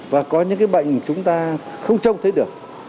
và có những cái bệnh chúng ta không trông thấy được